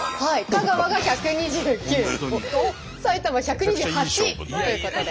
香川が１２９埼玉１２８ということで。